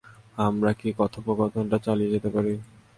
আমরা কি কথোপকথনটা চালিয়ে যেতে পারি?